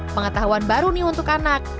pengetahuan baru nih untuk anak